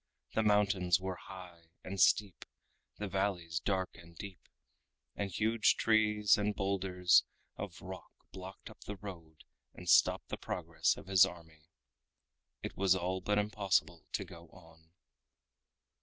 The mountains were high and steep, the valleys dark and deep, and huge trees and bowlders of rock blocked up the road and stopped the progress of his army. It was all but impossible to go on.